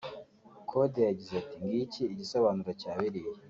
Kode yagize ati”Ngiki igisobanuro cya biriya